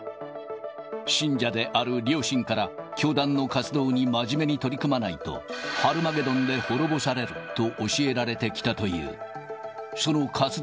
信者である両親から、教団の活動に真面目に取り組まないと、ハルマゲドンで滅ぼされると教えられてきたという。